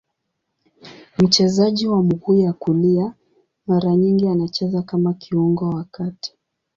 Mchezaji wa mguu ya kulia, mara nyingi anacheza kama kiungo wa kati.